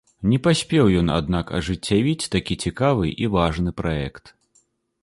Не паспеў ён, аднак, ажыццявіць такі цікавы і важны праект.